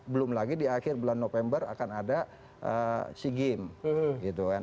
belum lagi di akhir bulan november akan ada sea games gitu kan